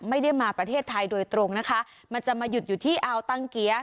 ไม่ได้มาประเทศไทยโดยตรงนะคะมันจะมาหยุดอยู่ที่อัลตังเกี๊ย